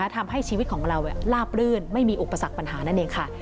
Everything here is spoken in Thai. ทำให้ชีวิตของเราลาบรื่นไม่มีอุปสรรคปัญหานั่นเองค่ะ